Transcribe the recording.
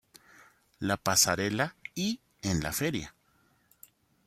La Pasarela" y "En la Feria.